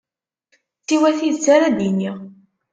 Siwa tidet ara d-iniɣ.